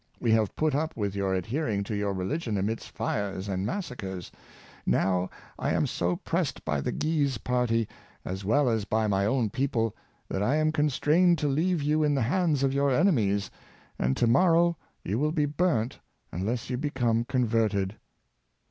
We have put up with your adhering to your religion amidst fires and massacres: now I am so pressed by the Guise party as well as by my own people, that I am constrained to leave you in the hands of 3^our enemies, and to morrow you will be burnt unless you become converted."